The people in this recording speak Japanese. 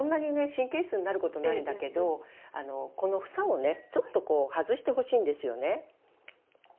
神経質になることないんだけどこの房をねちょっとこう外してほしいんですよね。